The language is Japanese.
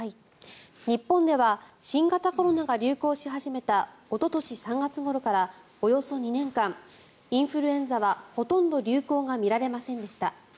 日本では新型コロナが流行し始めたおととし３月ごろからおよそ２年間インフルエンザはほとんど流行が見られませんでした。